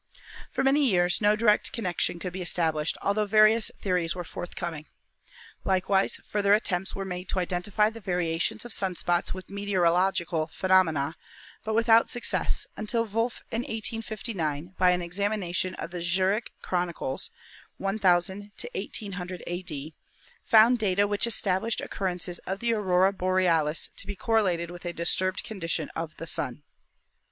For many years no direct connection could be established, altho various theories were forthcoming. Like wise further attempts were made to identify the variations of sun spots with meteorological phenomena, but without success, until Wolf in 1859 by an examination of the Zurich chronicles (1000 1800 a.d.) found data which en abled occurrences of the Aurora Borealis to be correlated with a disturbed condition of the Sun.